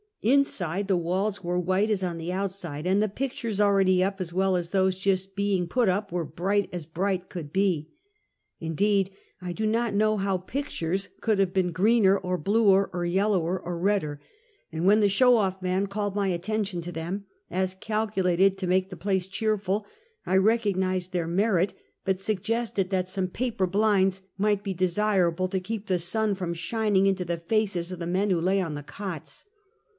Inside, the walls were white as on the outside, and the pictures already up, as well as those just being put up, were bright as bright could be. Indeed, I do not know how pictures could have been greener or bluer or yellower or red der, and when the show off man called my attention to them, as calculated to make the place cheerful; I recognized their merit, but suggested that some paper blinds might be desirable to keep the sun from shin ing into the faces of the men who lay on the cots.